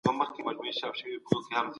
د خاوند حقوق د ميرمني تر حقوقو زيات او لوړ دي